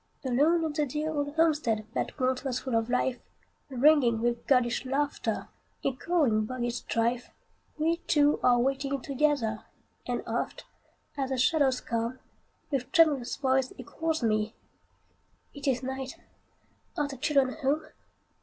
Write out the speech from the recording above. Alone in the dear old homestead That once was full of life, Ringing with girlish laughter, Echoing boyish strife, We two are waiting together; And oft, as the shadows come, With tremulous voice he calls me, "It is night! are the children home?"